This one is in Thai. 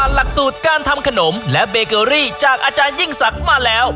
หลักสูตรการทำขนมและเบเกอรี่จากอาจารยิ่งศักดิ์มาแล้ว